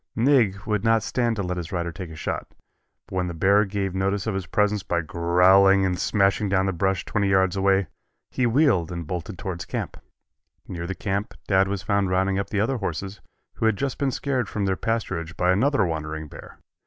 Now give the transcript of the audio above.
"Nig" would not stand to let his rider take a shot, but when the bear gave notice of his presence by growling and smashing down the brush twenty yards away, he wheeled and bolted towards camp. Near the camp Dad was found rounding up the other horses, who had just been scared from their pasturage by another wandering bear.